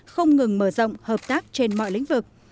không ngừng mở rộng hợp tác trên mọi lĩnh vực